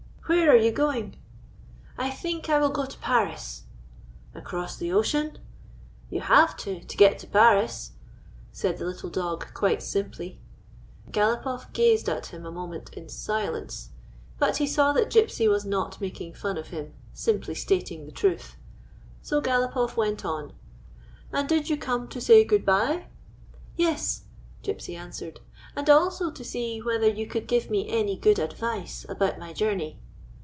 " Where are you going ?"" I think I will go to Paris." " Across the ocean ?"" You have to, to get to Paris," said the little dog, quite simply. Galopoff gazed at him a moment in silence. But he saw that Gypsy was not making fun of him, simply stating the truth. So Galopoff went on : "And did you come to say good bye?" "Yes," Gypsy answered, "and also to see whether you could give me any good advice about my journey."